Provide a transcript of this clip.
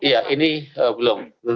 iya ini belum